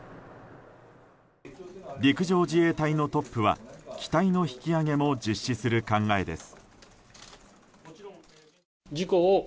陸上自衛隊のトップは機体の引き揚げも実施する考えです。